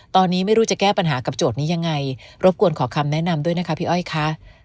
ตอนนี้ไม่รู้จะแก้ปัญหากับโจทย์นี้ยังไงรบกวนขอคำแนะนำด้วยนะคะพี่อ้อยค่ะ